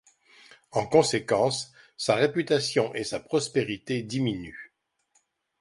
En conséquence, sa réputation et sa prospérité diminuent.